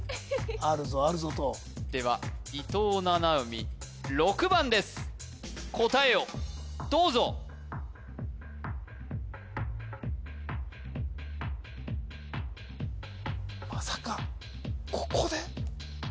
「あるぞあるぞ」とでは伊藤七海６番です答えをどうぞまさかここで？